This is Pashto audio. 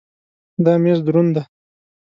دا مېز دروند دی.